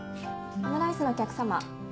オムライスのお客様。